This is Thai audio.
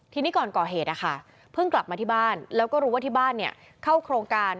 ทีนี้ก่อนก่อเหตุนะคะเพิ่งกลับมาที่บ้านแล้วก็รู้ว่าที่บ้านเข้าโครงการ